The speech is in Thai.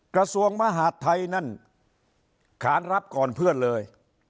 กระทรวงมหาดไทยนั่นขานรับก่อนเพื่อนเลย